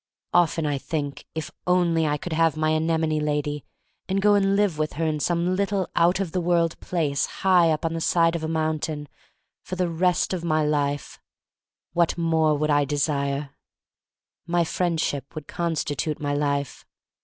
Often I think, if only I could have my anemone lady and go and live with her in some little out of the world place high up on the side of a mountain for the rest of my life — what more would I desire? My friendship would constitute my life.